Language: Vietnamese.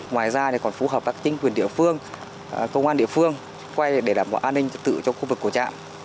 ngoài ra còn phù hợp với chính quyền địa phương công an địa phương quay để đảm bảo an ninh tự cho khu vực của trạm